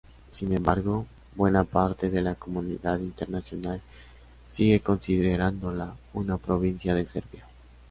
Sin embargo, buena parte de la comunidad internacional sigue considerándola una provincia de Serbia.